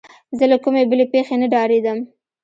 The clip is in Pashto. زه له کومې بلې پېښې نه ډارېدم.